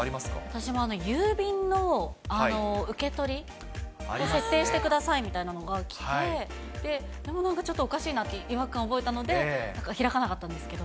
私も郵便の受け取り設定してくださいみたいなのが来て、でもなんかちょっとおかしいなって違和感覚えたので、開かなかったんですけど。